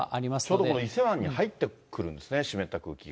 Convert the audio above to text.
ちょうどこの伊勢湾に入ってくるんですね、湿った空気が。